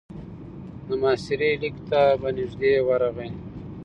د محاصرې ليکې ته به نږدې ورغی.